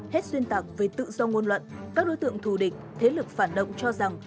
hết xuyên tạc về tự do ngôn luận các đối tượng thù địch thế lực phản động cho rằng